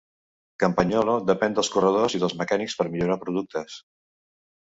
Campagnolo depèn dels corredors i dels mecànics per millorar productes.